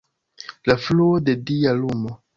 La fluo de dia lumo.